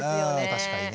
確かにね。